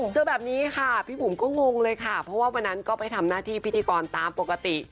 เจอแบบนี้ค่ะพี่บุ๋มก็งงเลยค่ะเพราะว่าวันนั้นก็ไปทำหน้าที่พิธีกรตามปกติ